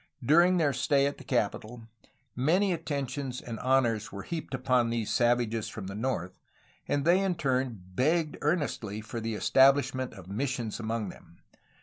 During their stay at the capital, many attentions and honors were heaped upon these savages from the north, and they in turn begged earnestly for the establishment of missions among them.